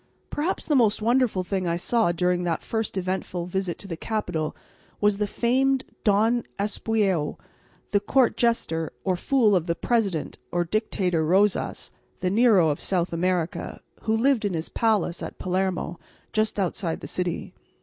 Perhaps the most wonderful thing I saw during that first eventful visit to the capital was the famed Don Eusebio, the court jester or fool of the President or Dictator Rosas, the "Nero of South America," who lived in his palace at Palermo, just outside the city.